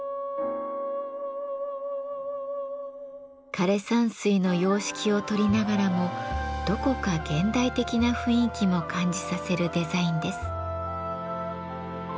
枯山水の様式を取りながらもどこか現代的な雰囲気も感じさせるデザインです。